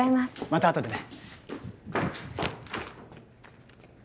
またあとでね。